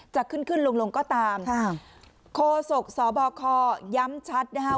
จะขึ้นลงก็ตามโคศกสบคย้ำชัดนะคะ